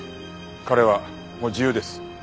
彼はもう自由です。